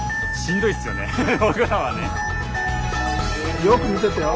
よく見ててよ。